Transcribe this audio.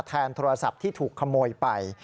โทรศัพท์ที่ถูกขโมยไป